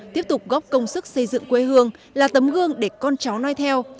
tiếp tục góp công sức xây dựng quê hương là tấm gương để con cháu nói theo